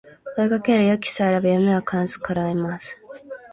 追いかける勇気さえあれば夢は必ず叶います